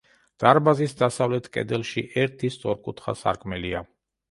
დარბაზის დასავლეთ კედელში ერთი სწორკუთხა სარკმელია.